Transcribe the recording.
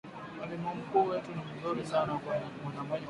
mwalimu wetu ni mzuri sana na mwenye huruma